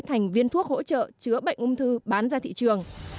thành viên thuốc hỗ trợ chữa bệnh ung thư bán ra thị trường